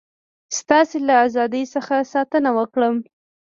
ستاسي له ازادی څخه ساتنه وکړم.